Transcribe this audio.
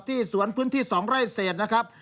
สวนพื้นที่๒ไร่เศษนะครับ